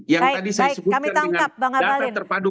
yang tadi saya sebutkan dengan data terpadu